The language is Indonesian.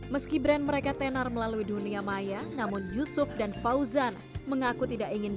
meski brand mereka tenar melalui dunia maya namun yusuf dan fauzan mengaku tidak ingin